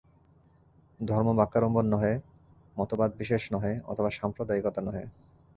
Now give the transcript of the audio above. ধর্ম ব্যাক্যাড়ম্বর নহে, মতবাদবিশেষ নহে, অথবা সাম্প্রদায়িকতা নহে।